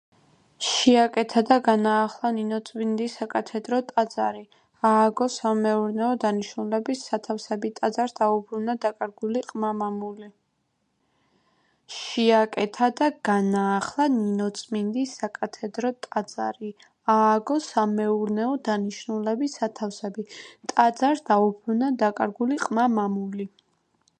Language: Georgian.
შეაკეთა და განაახლა ნინოწმინდის საკათედრო ტაძარი, ააგო სამეურნეო დანიშნულების სათავსები, ტაძარს დაუბრუნა დაკარგული ყმა-მამული.